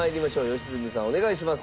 良純さんお願いします。